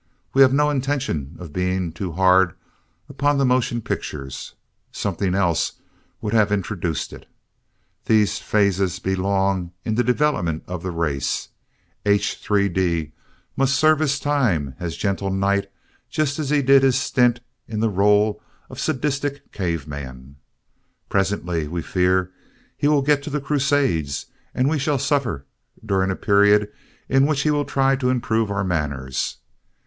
We have no intention of being too hard upon the motion pictures. Something else would have introduced it. These phases belong in the development of the race. H. 3d must serve his time as gentle knight just as he did his stint in the rôle of sadistic caveman. Presently, we fear, he will get to the crusades and we shall suffer during a period in which he will try to improve our manners.